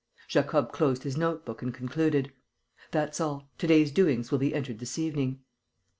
Jacob closed his note book and concluded: "That's all. To day's doings will be entered this evening."